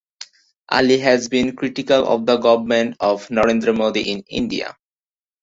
Ali has been critical of the government of Narendra Modi in India.